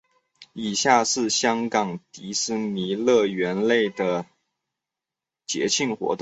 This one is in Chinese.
以下是香港迪士尼乐园内的节庆活动。